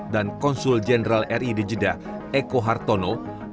dan konsul jenderal ri di jeddah eko hartono